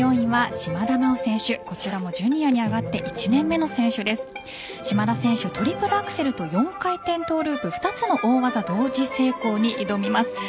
島田選手、トリプルアクセルと４回転トゥループ２つの大技同時成功に挑みます。